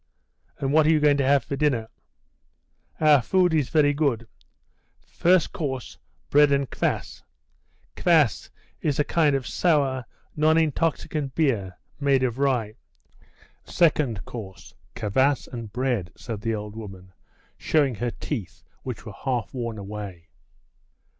"And what are you going to have for dinner?" "Our food is very good. First course, bread and kvas; [kvas is a kind of sour, non intoxicant beer made of rye] second course, kvas and bread," said the old woman, showing her teeth, which were half worn away.